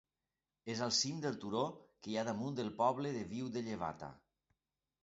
És al cim del turó que hi ha damunt del poble de Viu de Llevata.